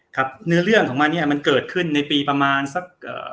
ครับเนื้อเรื่องของมันเนี่ยมันเกิดขึ้นในปีประมาณสักเอ่อ